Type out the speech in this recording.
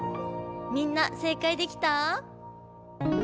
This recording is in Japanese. みんな正解できた？